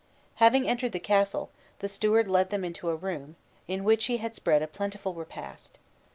Having entered the castle, the steward led them into a room, in which he had spread a plentiful repast.